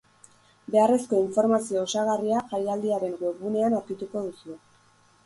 Beharrezko informazio osagarria jaialdiaren webgunean aurkituko duzue.